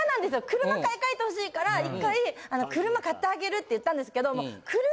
車買い替えてほしいから１回車買ってあげるって言ったんですけど。